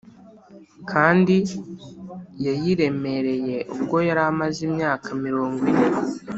kandi yayiremereye ubwo Yari amaze imyaka mirongo ine